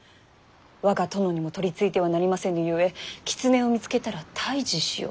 我が殿にも取りついてはなりませぬゆえ狐を見つけたら退治しようと。